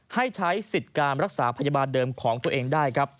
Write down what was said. ให้ใช้สิทธิ์การรักษาพยาบาลเดิมของตัวเองได้ครับ